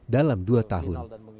dalam dua tahun